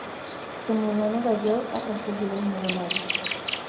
Se mudó a Nueva York a perseguir el modelado.